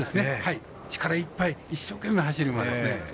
力いっぱい一生懸命、走る馬ですね。